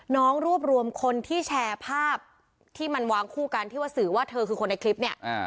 รวบรวมคนที่แชร์ภาพที่มันวางคู่กันที่ว่าสื่อว่าเธอคือคนในคลิปเนี่ย